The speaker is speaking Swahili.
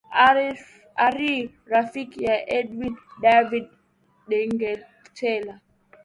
ari rafiki na edwin david ndeketela